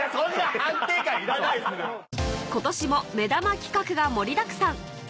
今年も目玉企画が盛りだくさん！